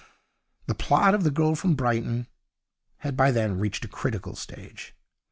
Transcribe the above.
The plot of 'The Girl From Brighton' had by then reached a critical stage.